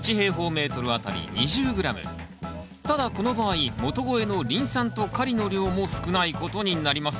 ただこの場合元肥のリン酸とカリの量も少ないことになります。